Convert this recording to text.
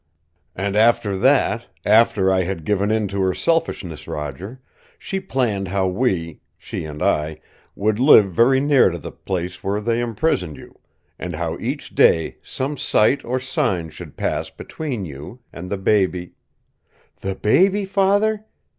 "And after that, after I had given in to her selfishness, Roger, she planned how we she and I would live very near to the place where they imprisoned you, and how each day some sight or sign should pass between you, and the baby " "The baby, Father?"